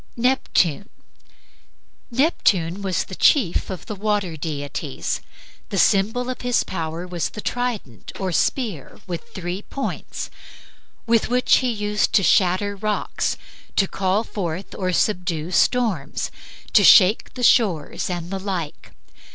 NEPTUNE Neptune was the chief of the water deities. The symbol of his power was the trident, or spear with three points, with which he used to shatter rocks, to call forth or subdue storms, to shake the shores and the like.